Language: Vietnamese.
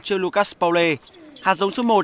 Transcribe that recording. chơi lucas paulé hạ dống số một